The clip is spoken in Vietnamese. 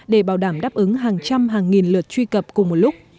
để bảo đảm đáp ứng hàng trăm hàng nghìn lượt truy cập cùng một lúc